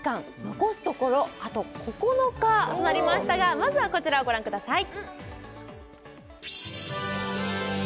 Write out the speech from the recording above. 残すところあと９日になりましたがまずはこちらをご覧ください